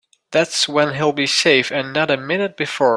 That's when he'll be safe and not a minute before.